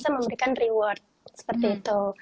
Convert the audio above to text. memberikan reward seperti itu